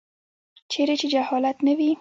چیرې چې جهالت نه وي.